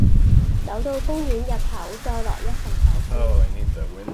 走到公園入口再來一份壽司